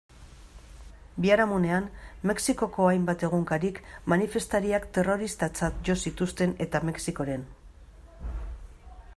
Biharamunean, Mexikoko hainbat egunkarik manifestariak terroristatzat jo zituzten eta Mexikoren.